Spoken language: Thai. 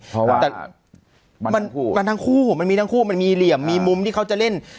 เพราะว่าแต่มันทั้งคู่มันมีทั้งคู่มันมีเหลี่ยมมีมุมที่เขาจะเล่น